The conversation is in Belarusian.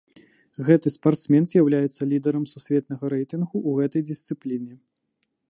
Гэты спартсмен з'яўляецца лідарам сусветнага рэйтынгу ў гэтай дысцыпліне.